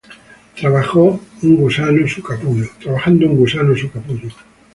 Trabajando un Gusano su capullo